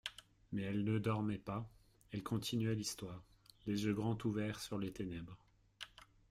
Mais elles ne dormaient pas, elles continuaient l'histoire, les yeux grands ouverts sur les ténèbres.